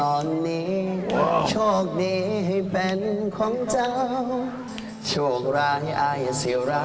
อันนี้บอกได้เลยว่าพ่อก็ต้นฉบับไปเลยนะ